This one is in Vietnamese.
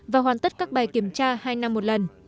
và hoàn tất các bài kiểm tra hai năm một lần